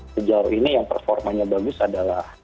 sejauh ini yang performanya bagus adalah